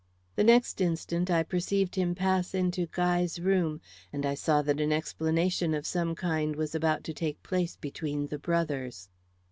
The next instant I perceived him pass into Guy's room, and I saw that an explanation of some kind was about to take place between the brothers.